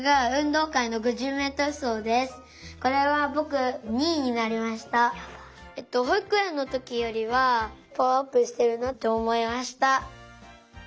ほいくえんのときよりはパワーアップしてるなっておもいました。